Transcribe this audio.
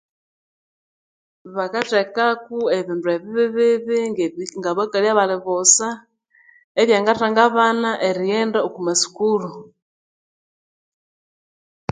Bakathekako ebindu ebibibibi ngabakali abali bussa ebyangathanga abana erighenda oku masukuru